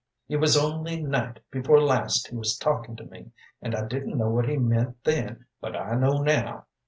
It was only night before last he was talkin' to me, and I didn't know what he meant then, but I know now.